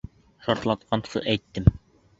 Шартлатҡансы әйттем!